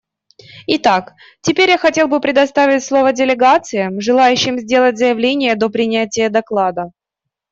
Итак, теперь я хотел бы предоставить слово делегациям, желающим сделать заявление до принятия доклада.